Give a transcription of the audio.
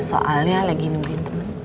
soalnya lagi nungguin temen